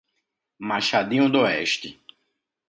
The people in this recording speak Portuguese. Machadinho d'Oeste